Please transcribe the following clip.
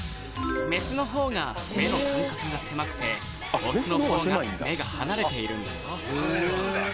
メスのほうが目の間隔が狭くてオスのほうが目が離れているんだよ